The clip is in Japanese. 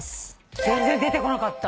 全然出てこなかった。